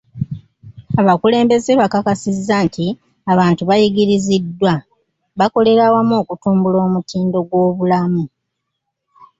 Abakulembeze bakakasizza nti abantu bayigiriziddwa, bakolera wamu okutumbula omutindo gw'obulamu.